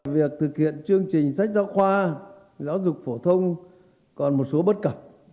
việc thực hiện chương trình sách giáo khoa giáo dục phổ thông còn một số bất cập